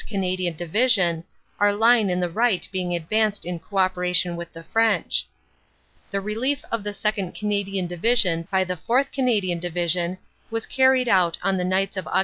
Canadian Division, our line on the right being advanced in co operation with the French. The relief of the 2nd. Canadian Division by the 4th. Cana 68 CANADA S HUNDRED DAYS dian Division was carried out on the nights of Aug.